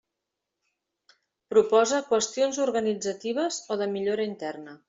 Proposa qüestions organitzatives o de millora interna.